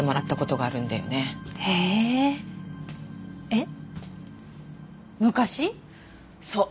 えっ？